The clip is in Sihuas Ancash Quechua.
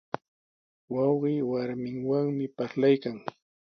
Wawqii warminwanmi parlaykan.